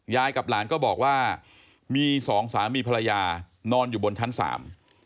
กับหลานก็บอกว่ามีสองสามีภรรยานอนอยู่บนชั้นสาม